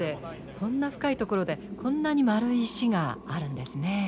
こんな深い所でこんなに丸い石があるんですね。